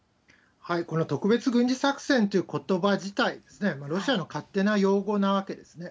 この特別軍事作戦ということば自体、ロシアの勝手な用語なわけですね。